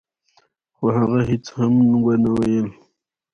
خو هغه هيڅ هم ونه ويل.